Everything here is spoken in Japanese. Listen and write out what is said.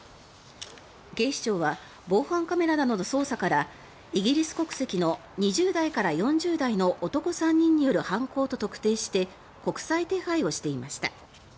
警視庁は防犯カメラなどの捜査からイギリス国籍の２０代から４０代の男３人による犯行と特定して国際手配をしていました。